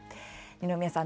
二宮さん